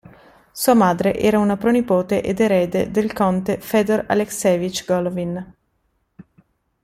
Sua madre era una pronipote ed erede del conte Fëdor Alekseevič Golovin.